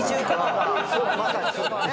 まさにそうだよね。